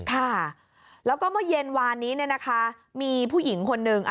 ค่ะแล้วก็เมื่อเย็นวานนี้มีผู้หญิงคนหนึ่ง